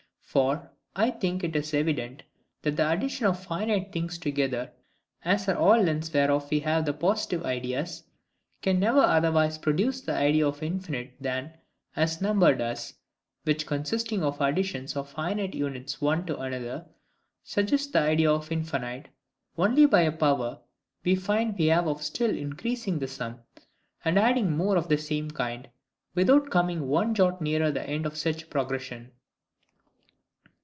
For, I think it is evident, that the addition of finite things together (as are all lengths whereof we have the positive ideas) can never otherwise produce the idea of infinite than as number does; which consisting of additions of finite units one to another, suggests the idea of infinite, only by a power we find we have of still increasing the sum, and adding more of the same kind; without coming one jot nearer the end of such progression.